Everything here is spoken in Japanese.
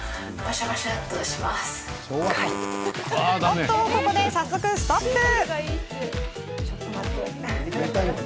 おっと、ここで早速ストップ！